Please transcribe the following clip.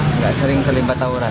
nggak sering terlibat tawuran